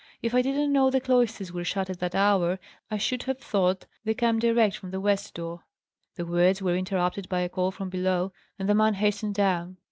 "If I didn't know the cloisters were shut at that hour, I should have thought they come direct from the west door " The words were interrupted by a call from below; and the man hastened down.